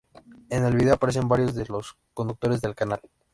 En el video aparecen varios de los conductores del canal.